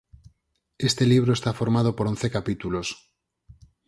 Este libro está formado por once capítulos.